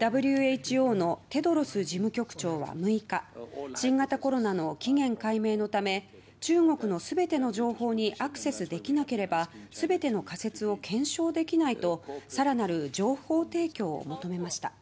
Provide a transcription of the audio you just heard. ＷＨＯのテドロス事務局長は６日新型コロナの起源解明のため中国の全ての情報にアクセスできなければ全ての仮説を検証できないと更なる情報提供を求めました。